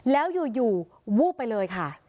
แล้วอยู่วูบไปเลยค่ะ